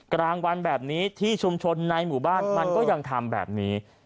กลางวันแบบนี้ที่ชุมชนในหมู่บ้านมันก็ยังทำแบบนี้